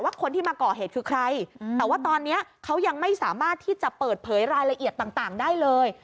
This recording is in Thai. คนที่มาก่อเหตุคือใครแต่ว่าตอนนี้เขายังไม่สามารถที่จะเปิดเผยรายละเอียดต่างได้เลย